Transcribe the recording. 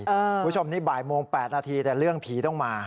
คุณผู้ชมนี่บ่ายโมง๘นาทีแต่เรื่องผีต้องมา